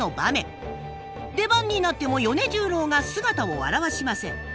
出番になっても米十郎が姿を現しません。